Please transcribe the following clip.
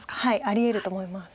ありえると思います。